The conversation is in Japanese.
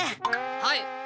はい。